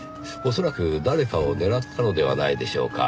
恐らく誰かを狙ったのではないでしょうか。